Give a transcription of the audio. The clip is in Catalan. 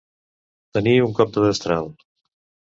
Tenir un cop de destral.